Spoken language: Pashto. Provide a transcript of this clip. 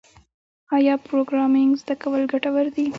آیا پروګرامینګ زده کول ګټور دي؟